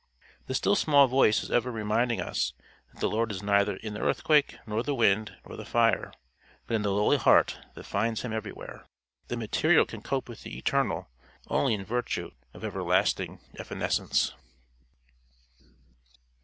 The still small voice is ever reminding us that the Lord is neither in the earthquake nor the wind nor the fire; but in the lowly heart that finds him everywhere. The material can cope with the eternal only in virtue of everlasting evanescence.